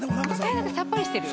さっぱりしてる？